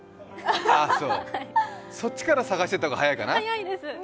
ああそう、そっちから探していった方が早いかな。